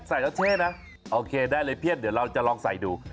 เราเท่นะโอเคได้เลยเพียบเดี๋ยวเราจะลองใส่ดู